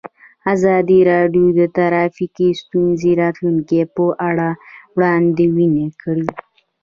ازادي راډیو د ټرافیکي ستونزې د راتلونکې په اړه وړاندوینې کړې.